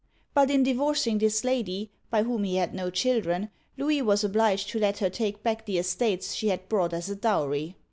But in divorcing this lady — by whom he had no children — Louis was obliged to let her take back the estates she had brought as a dowry.